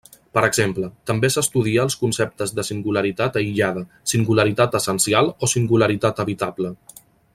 Per exemple, també s'estudia als conceptes de singularitat aïllada, singularitat essencial o singularitat evitable.